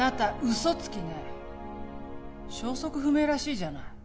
嘘つきね消息不明らしいじゃない